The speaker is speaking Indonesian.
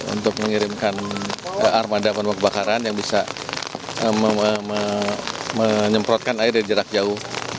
untuk mengirimkan armada penyebab kebakaran yang bisa menyemprotkan air dari jarak jauh